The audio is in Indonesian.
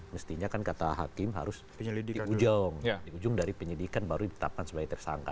mestinya kan kata hakim harus di ujung di ujung dari penyidikan baru ditetapkan sebagai tersangka